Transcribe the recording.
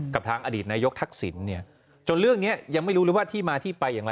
กับทางอดีตนายยกทักษิณจนเรื่องนี้ยังไม่รู้ล่ะว่าที่มาที่ไปยังไง